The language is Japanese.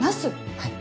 はい。